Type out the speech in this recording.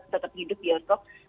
tetap hidup bioskop